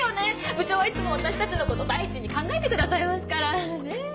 部長はいつも私たちのこと第一に考えてくださいますから。ねぇ？